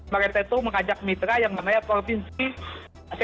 mereka itu mengajak mitra yang namanya provinsi asia indonesia